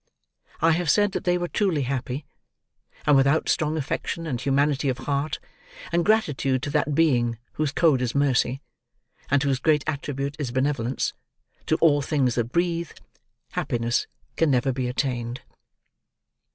I have said that they were truly happy; and without strong affection and humanity of heart, and gratitude to that Being whose code is Mercy, and whose great attribute is Benevolence to all things that breathe, happiness can never be attained.